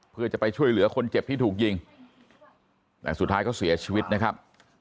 เพื่อจะไปช่วยเหลือคนเจ็บที่ถูกยิงแต่สุดท้ายก็เสียชีวิตนะครับ